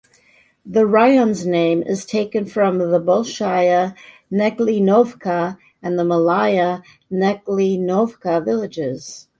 The raïon's name is taken from the Bolshaïa Neklinovka and Malaya Neklinovka villages.